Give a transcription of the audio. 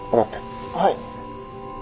はい。